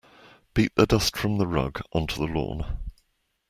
Beat the dust from the rug onto the lawn.